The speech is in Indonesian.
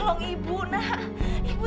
kena buretita saya